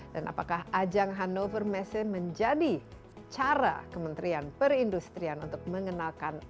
dan apakah ajang hanover messe menjadi cara kementerian perindustrian untuk mengenalkan